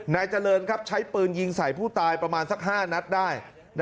นายเจริญใช้ปืนยิงใส่ผู้ตายประมาณสัก๕นัดได้